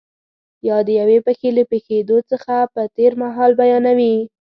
یا د یوې پېښې له پېښېدو څخه په تېر مهال بیانوي.